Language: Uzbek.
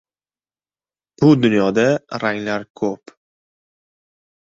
Bu dunyoda ranglar koʻp.